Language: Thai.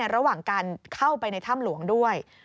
ระหว่างการเข้าไปในถ้ำหลวงด้วย